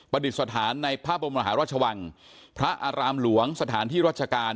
ดิษฐานในพระบรมมหาราชวังพระอารามหลวงสถานที่รัชการ